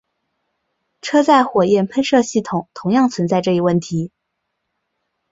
车载火焰喷射系统同样存在这一问题。